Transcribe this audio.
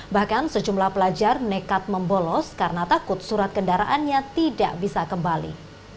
bahkan sejumlah pelajar nekat membolos karena takut surat kendaraannya tidak bisa kembali